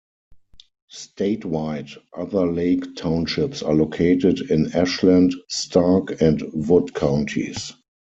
Statewide, other Lake Townships are located in Ashland, Stark, and Wood counties.